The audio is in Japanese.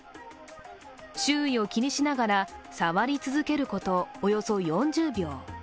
周囲を気にしながらさわり続けること、およそ４０秒。